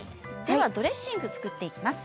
ではドレッシングを作っていきます。